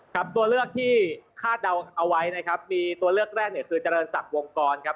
ครับตัวเลือกที่คาดเดาเอาไว้นะครับมีตัวเลือกแรกเนี่ยคือเจริญศักดิ์วงกรครับ